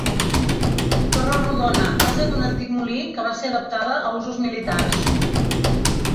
Torre rodona, base d'un antic molí que va ser adaptada a usos militars.